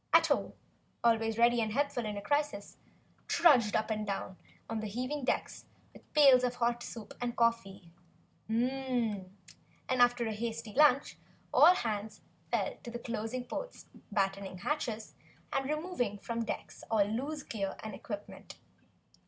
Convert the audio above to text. Ato, always ready and helpful in a crisis, trudged up and down the heaving decks with pails of hot soup and coffee, and after a hasty lunch, all hands fell to closing ports, battening hatches and removing from the decks all loose gear and equipment.